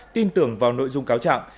tin tưởng vào nội dung cáo trạng